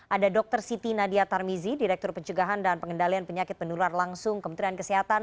ada dr siti nadia tarmizi direktur pencegahan dan pengendalian penyakit pendular langsung kementerian kesehatan